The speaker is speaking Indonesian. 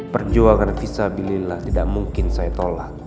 perjuangan visabilillah tidak mungkin saya tolak